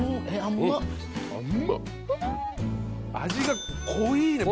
味が濃いね。